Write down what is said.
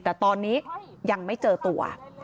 แต่ตอนนี้ยังไม่เจอตัว